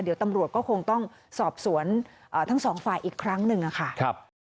เดี๋ยวตำรวจก็คงต้องสอบสวนทั้งสองฝ่ายอีกครั้งหนึ่งค่ะ